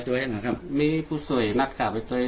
หาปลาดี